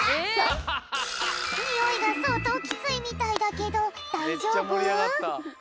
においがそうとうキツいみたいだけどだいじょうぶ？